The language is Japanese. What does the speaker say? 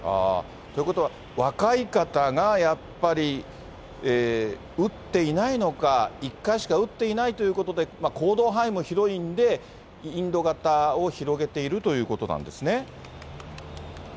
ということは、若い方が、やっぱり打っていないのか、１回しか打っていないということで、行動範囲も広いんで、インド型を広げているということなんですね？